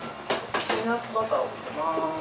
ピーナッツバターを入れます。